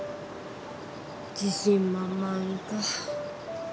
自信満々か。